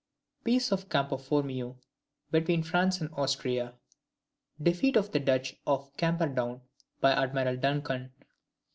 Peace of Campo Formio between France and Austria. Defeat of the Dutch off Camperdown by Admiral Duncan.